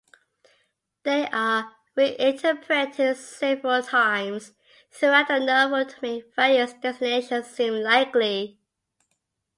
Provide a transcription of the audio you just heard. They are re-interpreted several times throughout the novel to make various destinations seem likely.